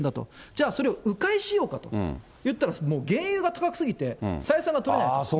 じゃあ、それをう回しようかといったらもう、原油が高すぎて、採算が取れない。